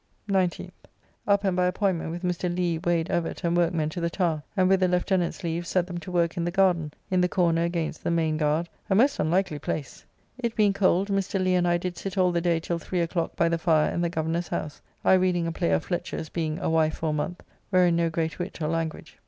19th. Up and by appointment with Mr. Lee, Wade, Evett, and workmen to the Tower, and with the Lieutenant's leave set them to work in the garden, in the corner against the mayne guard, a most unlikely place. It being cold, Mr. Lee and I did sit all the day till three o'clock by the fire in the Governor's house; I reading a play of Fletcher's, being "A Wife for a Month," wherein no great wit or language.